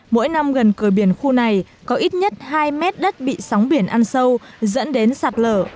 mỗi năm gần cửa biển khu này có ít nhất hai mét đất bị sóng biển ăn sâu dẫn đến sạt lở